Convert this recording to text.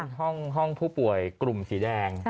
เป็นห้องผู้ป่วยกลุ่มสีแดง